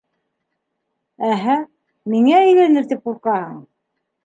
Әһә, миңә әйләнер тип ҡурҡаһың.